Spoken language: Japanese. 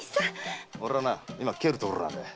俺は今帰るところなんだ。